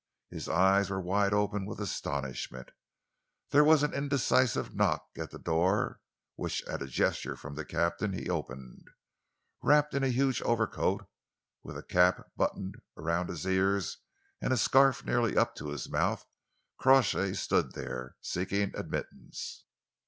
His eyes were wide open with astonishment. There was an indecisive knock at the door, which at a gesture from the captain he opened. Wrapped in a huge overcoat, with a cap buttoned around his ears and a scarf nearly up to his mouth, Crawshay stood there, seeking admittance.